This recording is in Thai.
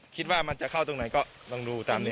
คิดว่ามันจะเข้าตรงไหนก็ต้องดูตามนี้